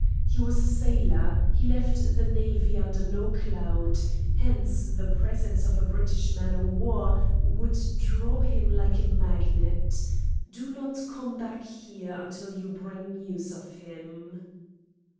He was a sailor. He left the Navy under no cloud. Hence, the presence of a British man o' war would draw him like a magnet. Do not come back here until you bring news of him."